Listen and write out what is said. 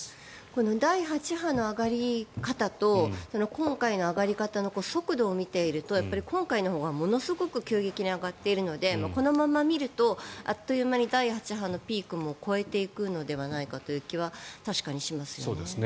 この第８波の上がり方と今回の上がり方の速度を見ていると今回のほうがものすごく急激に上がっているのでこのまま見ると、あっという間に第８波のピークも超えていくのではないかという気は確かにしますね。